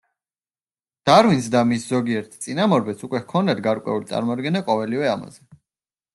დარვინს და მის ზოგიერთ წინამორბედს უკვე ჰქონდათ გარკვეული წარმოდგენა ყოველივე ამაზე.